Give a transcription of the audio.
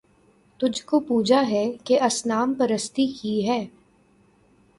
تجھ کو پوجا ہے کہ اصنام پرستی کی ہے